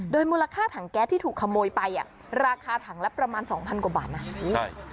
มูลค่าถังแก๊สที่ถูกขโมยไปอ่ะราคาถังละประมาณสองพันกว่าบาทนะ